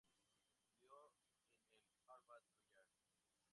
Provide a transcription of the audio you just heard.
Estudió en el Harvard College.